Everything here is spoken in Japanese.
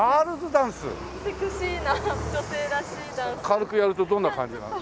軽くやるとどんな感じなの？